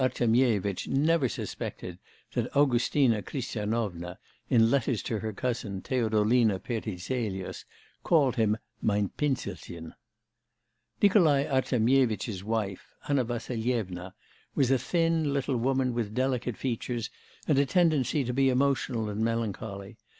But Nikolai Artemyevitch never suspected that Augustina Christianovna, in letters to her cousin, Theodolina Peterzelius, called him Mein Pinselchen. Nikolai Artemyevitch's wife, Anna Vassilyevna, was a thin, little woman with delicate features, and a tendency to be emotional and melancholy.